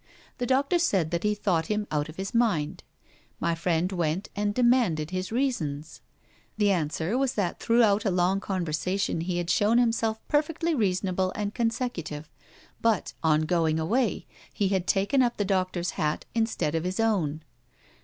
The doctor said that he thought him out of his mind. My friend went and demanded his reasons. The answer was that throughout a long conversation he had shown himself perfectly reasonable and consecutive, but on going away he had taken up the doctor's hat instead of his own.